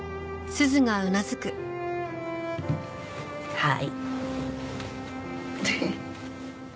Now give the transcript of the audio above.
はい。